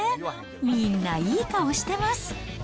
みんな、いい顔してます。